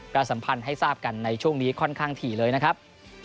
สัมพันธ์ให้ทราบกันในช่วงนี้ค่อนข้างถี่เลยนะครับ